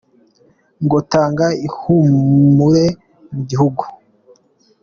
Ngo tanga ihumure mu gihugu !